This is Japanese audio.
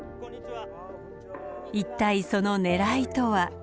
一体そのねらいとは？